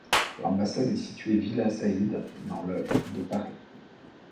L'ambassade est située villa Saïd dans le de Paris.